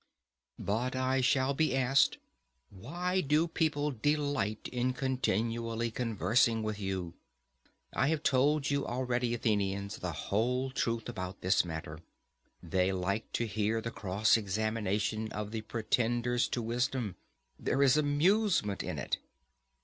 But I shall be asked, Why do people delight in continually conversing with you? I have told you already, Athenians, the whole truth about this matter: they like to hear the cross examination of the pretenders to wisdom; there is amusement in it.